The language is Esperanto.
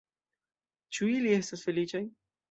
Ĉu ili estas feliĉaj?